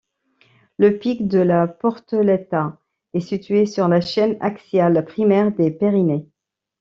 Le pic de la Portelleta est situé sur la chaîne axiale primaire des Pyrénées.